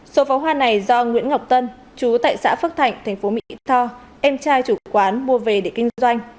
số pháo hoa này do nguyễn ngọc tân chú tại xã phước thạnh tp mỹ tho em trai chủ quán mua về để kinh doanh